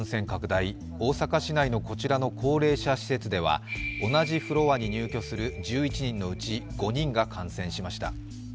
大阪市内のこちらの高齢者施設では同じフロアに入居する１１人のうち５人が感染しました。